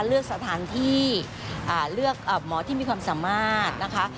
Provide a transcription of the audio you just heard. เลือกสถานที่เลือกหมอที่มีความสามารถนะคะ